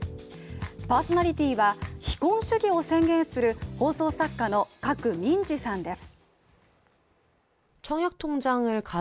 パーソナリティーは非婚主義を宣言する放送作家のカク・ミンジさんです。